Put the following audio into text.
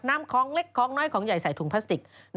คล้องเล็กคล้องน้อยของใหญ่ใส่ถุงพลาสติก